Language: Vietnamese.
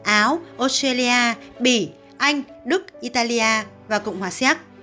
áo australia bỉ anh đức italia và cộng hòa xéc